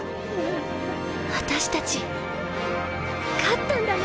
私たち勝ったんだね。